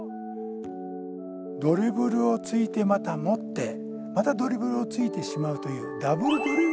ドリブルをついてまた持ってまたドリブルをついてしまうというダブルドリブルという反則。